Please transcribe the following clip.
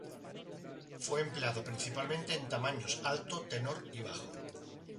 Fue empleado principalmente en tamaños alto, tenor y bajo.